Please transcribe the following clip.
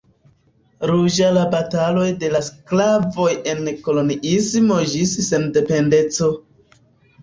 Ruĝa la bataloj de la sklavoj en koloniismo ĝis sendependeco.